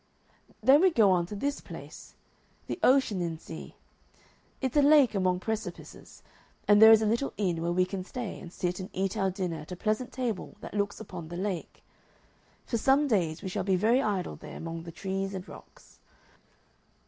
"Then we go on to this place, the Oeschinensee. It's a lake among precipices, and there is a little inn where we can stay, and sit and eat our dinner at a pleasant table that looks upon the lake. For some days we shall be very idle there among the trees and rocks.